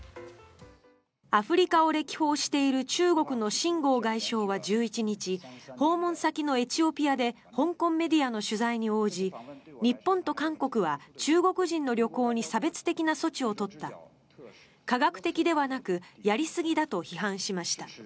アフリカを歴訪している中国の秦剛外相は１１日訪問先のエチオピアで香港メディアの取材に応じ日本と韓国は中国人の旅行に差別的な措置を取った科学的ではなくやりすぎだと批判しました。